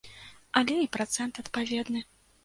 Але і працэнт адпаведны.